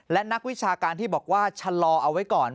และนักวิชาการที่บอกว่าชะลอเอาไว้ก่อน